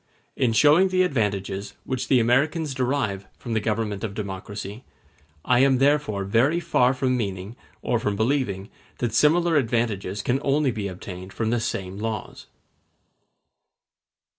In showing the advantages which the Americans derive from the government of democracy, I am therefore very far from meaning, or from believing, that similar advantages can only be obtained from the same laws.